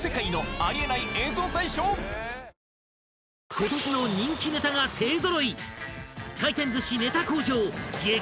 ［今年の人気ネタが勢揃い！］